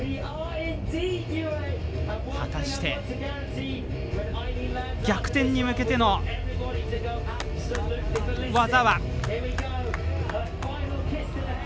果たして逆転に向けての技は。